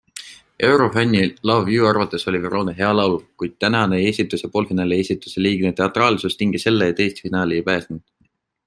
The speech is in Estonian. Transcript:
Eurofänni LoveU arvates oli Verona hea laul, kuid tänane esitus ja poolfinaali esituse liigne teatraalsus tingis selle, et Eesti finaali ei pääsenud.